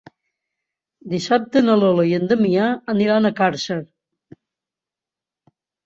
Dissabte na Lola i en Damià aniran a Càrcer.